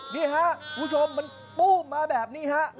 นี่ครับคุณผู้ชมมันปู้มมาแบบนี้ฮะ